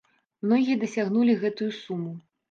Многія дасягнулі гэтую суму.